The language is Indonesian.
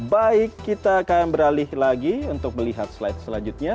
baik kita akan beralih lagi untuk melihat slide selanjutnya